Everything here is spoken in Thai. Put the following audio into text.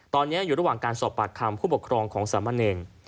ตอนนี้อยู่ระหว่างการสอบปากคำผู้ปกครองของสามะเนร